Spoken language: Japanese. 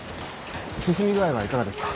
進み具合はいかがですか。